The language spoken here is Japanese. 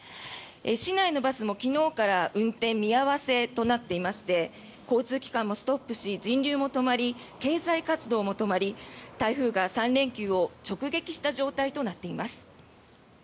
市内のバスも昨日から運転見合わせとなっていまして交通機関もストップし人流も止まり、経済活動も止まり台風が３連休を直撃した状態となっています。